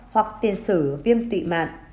hoặc tiền sử viêm tụy mạn